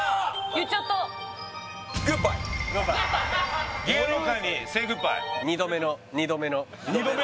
言っちゃったグッバイ芸能界にセイグッバイ２度目の２度目の？